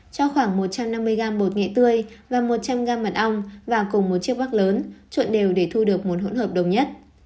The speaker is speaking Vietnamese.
cho khoảng một trăm năm mươi g bột nghệ tươi và một trăm linh g mặt ong vào cùng một chiếc bắc lớn chuộn đều để thu được một hỗn hợp đồng nhất